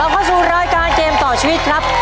เข้าสู่รายการเกมต่อชีวิตครับ